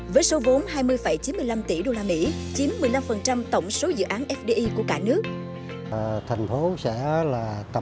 với số vốn hai mươi chín mươi năm tỷ usd